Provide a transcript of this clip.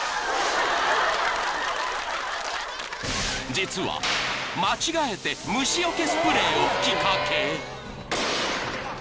［実は間違えて虫よけスプレーを吹き掛け］